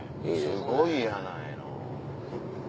すごいやないの。